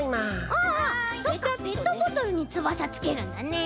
ああそっかペットボトルにつばさつけるんだね。